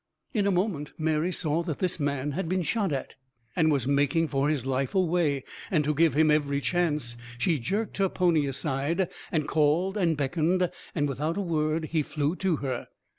In a moment Mary saw that this man had been shot at, and was making for his life away; and to give him every chance she jerked her pony aside, and called and beckoned; and without a word he flew to her.